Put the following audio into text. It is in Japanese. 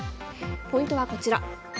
ポイントはこちら。